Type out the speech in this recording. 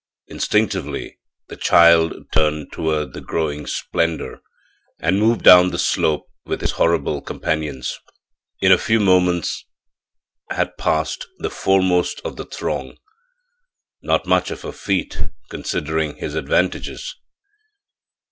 Instinctively the child turned toward the growing splendor and moved down the slope with his horrible companions; in a few moments had passed the foremost of the throng not much of a feat, considering his advantages.